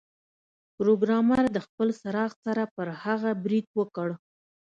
پروګرامر د خپل څراغ سره پر هغه برید وکړ